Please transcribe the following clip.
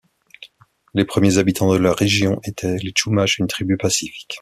Les premiers habitants de la région étaient les Chumash, une tribu pacifique.